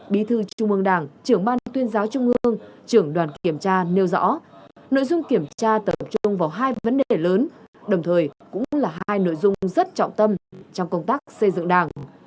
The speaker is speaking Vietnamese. bí thư trung ương đảng trưởng ban tuyên giáo trung ương trưởng đoàn kiểm tra nêu rõ nội dung kiểm tra tập trung vào hai vấn đề lớn đồng thời cũng là hai nội dung rất trọng tâm trong công tác xây dựng đảng